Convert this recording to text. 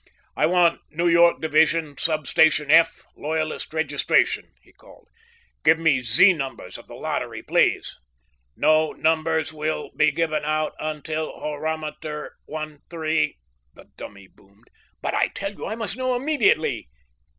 "I want New York Division, Sub station F, Loyalist Registration," he called. "Give me Z numbers of the lottery, please." "No numbers will be given out until Horometer 13," the dummy boomed. "But I tell you I must know immediately!"